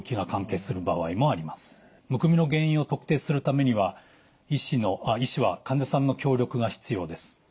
むくみの原因を特定するためには医師は患者さんの協力が必要です。